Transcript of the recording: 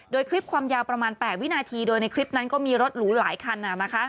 โดยคลิปความยาวประมาณ๘วินาทีโดยในคลิปนั้นก็มีรถหรูหลายคัน